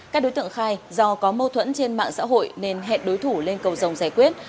các đối tượng khai do có mâu thuẫn trên mạng xã hội nên hẹn đối thủ lên cầu rồng giải quyết